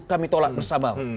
kami tolak bersama